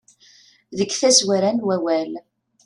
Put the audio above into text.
Deg tazwara n wawal.